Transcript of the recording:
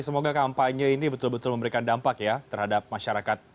semoga kampanye ini betul betul memberikan dampak ya terhadap masyarakat